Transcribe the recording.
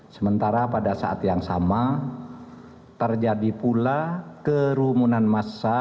sementara pada saat yang sama terjadi pula kerumunan massa